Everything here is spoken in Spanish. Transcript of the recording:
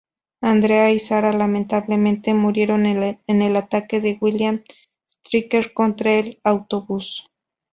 Andrea y Sarah lamentablemente murieron en el ataque de William Stryker contra el autobús.